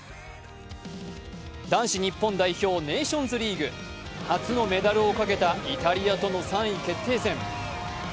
男子日本代表、ネーションズリーグ初のメダルをかけたイタリアとの３位決定戦。